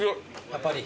やっぱり？